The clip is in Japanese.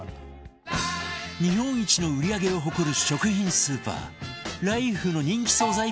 日本一の売り上げを誇る食品スーパーライフの人気惣菜